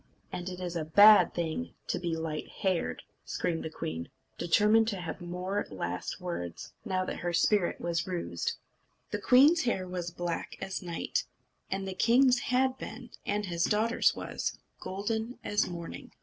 "And it's a bad thing to be light haired," screamed she, determined to have more last words, now that her spirit was roused. The queen's hair was black as night; and the king's had been, and his daughter's was, golden as morning.